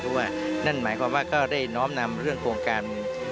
เพราะว่านั่นหมายความว่าก็ได้น้อมนำเรื่องโครงการ